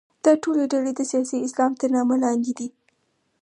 دا ټولې ډلې د سیاسي اسلام تر نامه لاندې دي.